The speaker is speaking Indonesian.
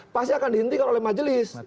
pasti akan dihentikan oleh majelis